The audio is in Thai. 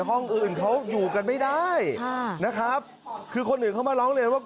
ห้องอื่นเขาอยู่กันไม่ได้ค่ะนะครับคือคนอื่นเขามาร้องเรียนว่า